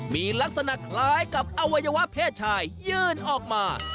มีลักษณะคล้ายกับอวัยวะเพศชายยื่นออกมา